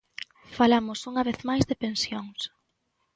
Falamos unha vez máis de pensións.